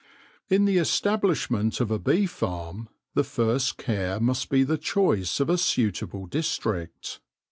In the establishment of a bee farm the first care must be the choice of a suitable district.